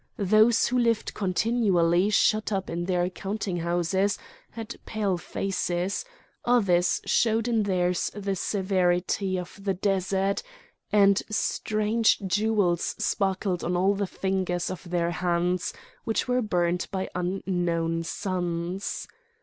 Those who lived continually shut up in their counting houses had pale faces; others showed in theirs the severity of the desert, and strange jewels sparkled on all the fingers of their hands, which were burnt by unknown suns.